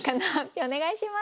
お願いします。